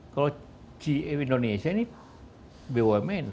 kalau indonesia ini bumn